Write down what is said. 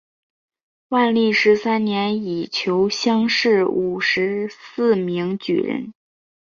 万历十三年乙酉乡试五十四名举人。